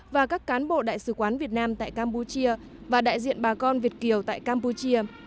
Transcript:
và các cán bộ đại sứ quán việt nam tại campuchia và đại diện bà con việt kiều tại campuchia